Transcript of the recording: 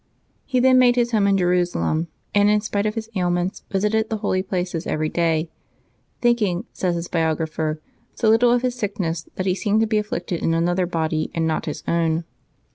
He then made his home in Jeru salem, and in spite of his ailments visited the Holy Places every day; thinking, says his biographer, so little of his sickness that he seemed to be afflicted in another body, and not bis own.